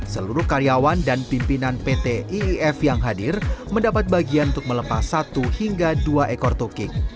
seluruh karyawan dan pimpinan pt iif yang hadir mendapat bagian untuk melepas satu hingga dua ekor tukik